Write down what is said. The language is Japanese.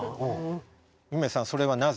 夢さんそれはなぜ？